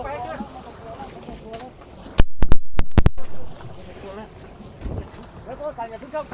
สวัสดีครับทุกคน